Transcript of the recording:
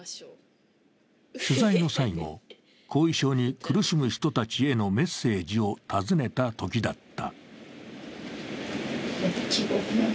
取材の最後、後遺症に苦しむ人たちへのメッセージを尋ねたときだった。